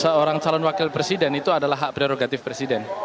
seorang calon wakil presiden itu adalah hak prerogatif presiden